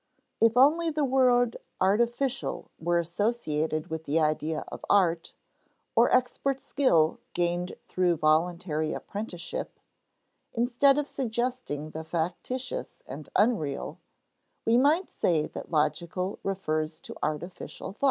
If only the word artificial were associated with the idea of art, or expert skill gained through voluntary apprenticeship (instead of suggesting the factitious and unreal), we might say that logical refers to artificial thought.